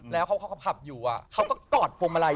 แล้วเขาก็ผับอยู่เขาก็กอดพวงมาลัย